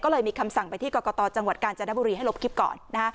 ก็เลยมีคำสั่งไปที่กรกตจังหวัดกาญจนบุรีให้ลบคลิปก่อน